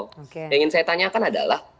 yang ingin saya tanyakan adalah